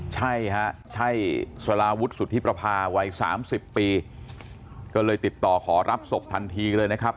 ใช่ฮะใช่สลาวุฒิสุธิประพาวัย๓๐ปีก็เลยติดต่อขอรับศพทันทีเลยนะครับ